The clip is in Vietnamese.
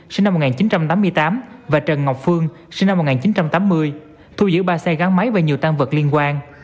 sinh năm một nghìn chín trăm tám mươi tám và trần ngọc phương sinh năm một nghìn chín trăm tám mươi thu giữ ba xe gắn máy và nhiều tan vật liên quan